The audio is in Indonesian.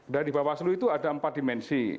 dari bapak slu itu ada empat dimensi